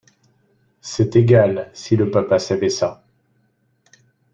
C’est égal, si le papa savait ça !…